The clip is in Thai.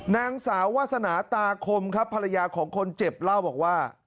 นางสาววาสนาตาคมครับภรรยาของคนเจ็บเล่าบอกว่า